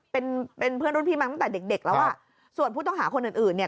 เป็นเป็นเพื่อนรุ่นพี่มาตั้งแต่เด็กเด็กแล้วอ่ะส่วนผู้ต้องหาคนอื่นอื่นเนี่ย